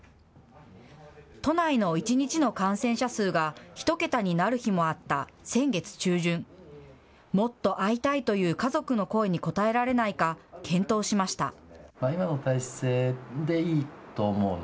都内の１日の感染者数が１桁になる日もあった先月中旬、もっと会いたいという家族の声に応えられないか、検討しました。